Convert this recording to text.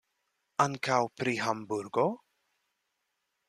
Ankaŭ pri Hamburgo?